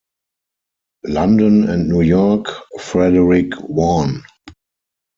London and New York: Frederick Warne.